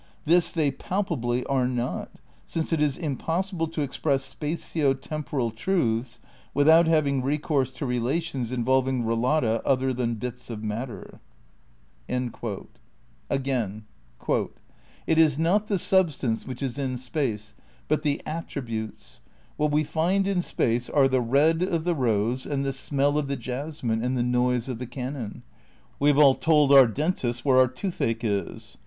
This they palpably are not, since it is impossible to express spatio temporal truths without having recourse to relations involving relata other than bits of matter." ^Enquiry, p. 26. •The same, pp. 61, 62, 63. 84 THE NEW IDEALISM m Again : "It is not the substance which is in space, but the attributes. What we find in space are the red of the rose and the smell of the jasmine and the noise of the cannon. We have all told our dentists where our toothache is.